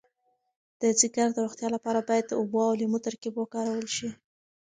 د ځیګر د روغتیا لپاره باید د اوبو او لیمو ترکیب وکارول شي.